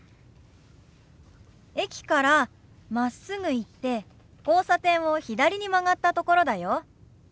駅からまっすぐ行って交差点を左に曲がったところだよ。